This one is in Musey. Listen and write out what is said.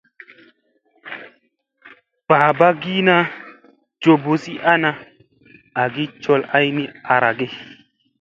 Babagina joɓozi ana azi col ay ni arage.